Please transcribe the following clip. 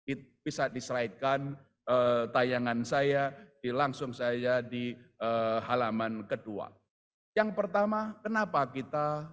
itu bisa diserahkan tayangan saya di langsung saya di halaman kedua yang pertama kenapa kita